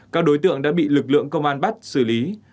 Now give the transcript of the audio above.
các đối tượng đã bị lực lượng công an bắt xử lý